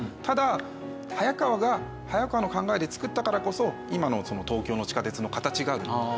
ただ早川が早川の考えでつくったからこそ今の東京の地下鉄の形があると。